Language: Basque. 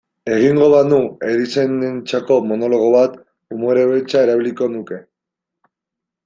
Egingo banu erizainentzako monologo bat, umore beltza erabiliko nuke.